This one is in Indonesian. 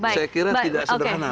saya kira tidak sederhana